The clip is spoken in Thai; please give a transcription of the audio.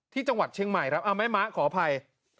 ที่จังหวัดเชียงใหม่ครับแม่ม้าขออภัย